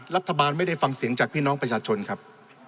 รัฐบาลไม่ได้ฟังเสียงจากพี่น้องประชาชนครับ